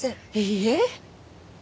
いいえ。